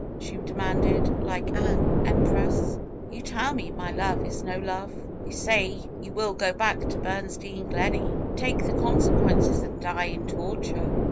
^^ she demanded like an empress. ^^You tell me my love is no love. You say you will go back to Bernstein Gleney. Take the consequences and die in torture!"